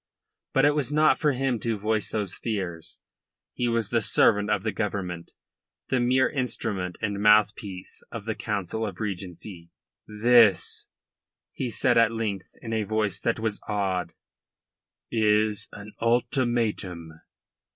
But it was not for him to voice those fears. He was the servant of that Government, the "mere instrument and mouthpiece of the Council of Regency. "This," he said at length in a voice that was awed, "is an ultimatum."